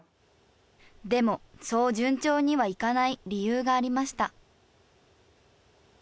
でもそう順調にはいかない理由がありました。